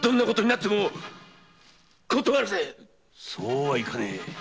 そうはいかねぇ。